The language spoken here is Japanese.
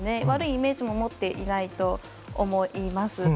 悪いイメージも持っていないと思います。